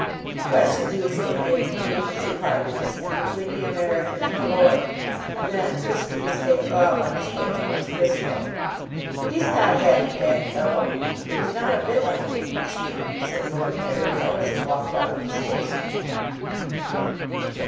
Fresh adieus were made between the two partners, and between the American and the lord; and then Fisker was taken off on his way towards Frisco. "He's not half a bad fellow, but he's not a bit like an Englishman," said Lord Nidderdale, as he walked out of the station.